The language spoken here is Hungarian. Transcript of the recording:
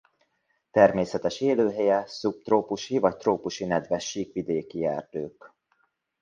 Természetes élőhelye szubtrópusi vagy trópusi nedves síkvidéki erdők.